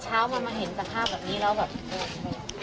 เช้ามันมาเห็นสภาพแบบนี้แล้วแบบ